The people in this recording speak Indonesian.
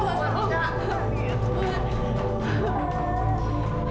suara bang him